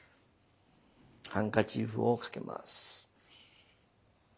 ハンカチーフをかけます。